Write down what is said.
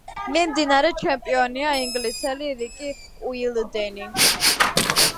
მიმდინარე ჩემპიონია ინგლისელი რიკი უოლდენი.